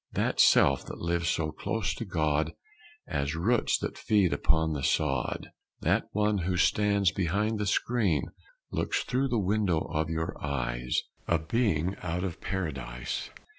That Self that lives so close to God As roots that feed upon the sod. That one who stands behind the screen, Looks through the window of your eyes A being out of Paradise.